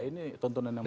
ini tontonan yang menarik